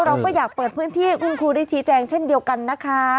เราก็อยากเปิดพื้นที่คุณครูได้ชี้แจงเช่นเดียวกันนะคะ